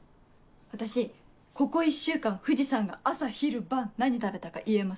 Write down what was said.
私ここ１週間藤さんが朝昼晩何食べたか言えます。